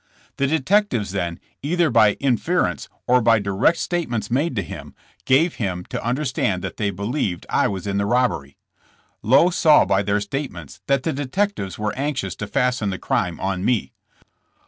The de tectives then, either by inference or by direct state ments made to him, gave him to understand that they believed I was in the robbery. Lowe saw by their statements that the detectives were anxious to fasten the crime on me.